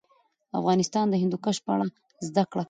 افغانستان کې د هندوکش په اړه زده کړه.